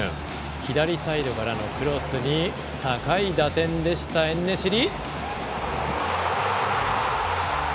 左サイドからのクロスに高い打点でした、エンネシリ。